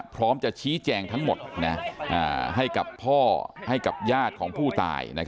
พร้อมจะชี้แจงทั้งหมดให้กับพ่อให้กับญาติของผู้ตาย